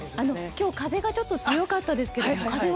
今日風がちょっと強かったですけど。